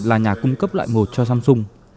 là nhà cung cấp loại một cho samsung